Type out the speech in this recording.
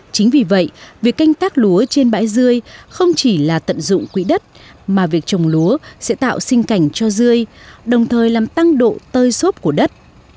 chính vì vậy việc canh tác lúa trên bãi dươi không chỉ là tận dụng quỹ đất mà việc trồng lúa sẽ tạo sinh cảnh cho dươi đồng thời làm tăng độ tơi xốp của đất